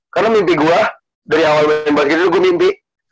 karena mimpi gua dari awal main basket itu gua mimpi